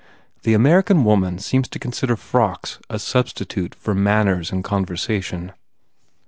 The American woman seems to consider frocks a substitute for manners and conversation.